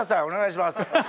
お願いします。